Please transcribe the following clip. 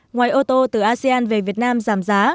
ngoài ô tô từ asean về việt nam giảm giá